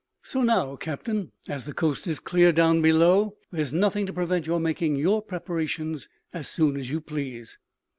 So now, captain, as the coast is clear down below, there is nothing to prevent your making your preparations as soon as you please."